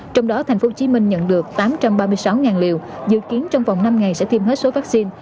trong đó tp hcm nhận được tám trăm ba mươi sáu liều dự kiến trong vòng năm ngày sẽ tiêm hết số vaccine